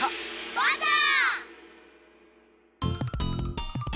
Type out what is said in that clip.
バター！